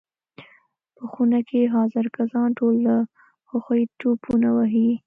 په خونه کې حاضر کسان ټول له خوښۍ ټوپونه وهي.